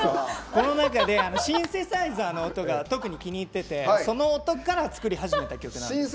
この中でシンセサイザーの音が特に気に入っててその音から作り始めた曲なんです。